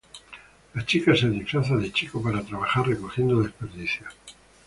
La chica se disfraza de chico para trabajar recogiendo desperdicios.